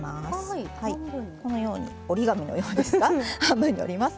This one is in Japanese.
このように折り紙のようですが半分に折ります。